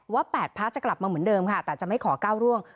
๘พักจะกลับมาเหมือนเดิมค่ะแต่จะไม่ขอก้าวร่วง